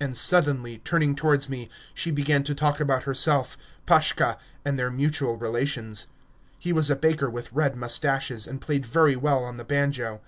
And suddenly, turning towards me, she began to talk about herself, Pashka, and their mutual relations. He was a baker with red moustaches and played very well on the banjo.